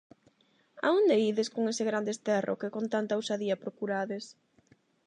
A onde ides con ese gran desterro, que con tanta ousadía procurades?